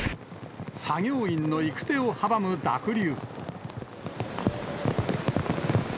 作業員の行く手を阻む濁流。